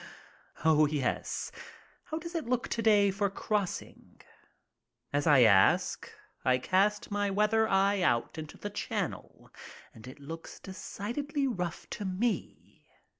Oh yes, how does it look to day for crossing? As I ask, I cast my weather eye out into the Channel and it looks decidedly rough to me.